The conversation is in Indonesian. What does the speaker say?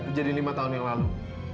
ke famehh kreuelanya